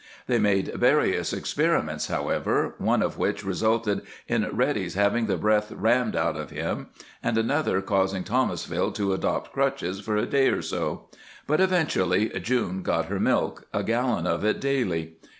They made various experiments, however, one of which resulted in Reddy's having the breath rammed out of him, and another causing Thomasville to adopt crutches for a day or so. But eventually June got her milk, a gallon of it daily.